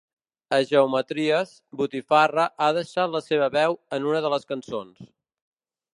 A ‘Geometries’, ‘Botifarra’ ha deixat la seva veu en una de les cançons.